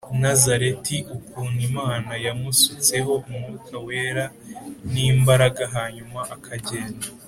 Nazareti ukuntu Imana yamusutseho umwuka wera n imbaraga hanyuma akagenda